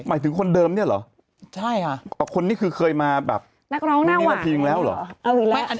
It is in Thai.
หมายถึงคนเดิมนี่หรือคนที่คือเคยมาแบบพิมพ์แล้วหรือนักร้องหน้าหวาน